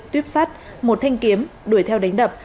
tuyếp sắt một thanh kiếm đuổi theo đánh đập